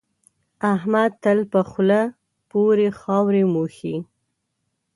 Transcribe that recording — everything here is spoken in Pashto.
احمد تل په خول پورې خاورې موښي.